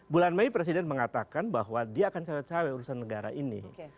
bulan mei presiden mengatakan bahwa dia akan cewek cewek urusan negara ini